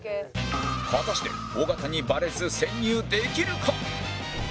果たして尾形にバレず潜入できるか？